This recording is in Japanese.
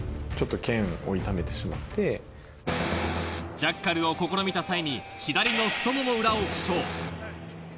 ジャッカルを試みた際に左の太もも裏を負傷。